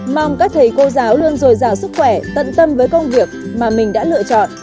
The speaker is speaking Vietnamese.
mong các thầy cô giáo luôn dồi dào sức khỏe tận tâm với công việc mà mình đã lựa chọn